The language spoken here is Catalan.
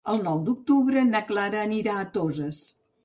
El nou d'octubre na Clara anirà a Toses.